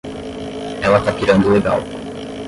Ela tá pirando legal.